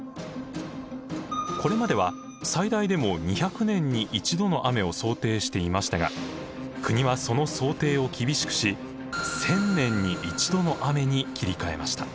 これまでは最大でも２００年に１度の雨を想定していましたが国はその想定を厳しくし１０００年に１度の雨に切り替えました。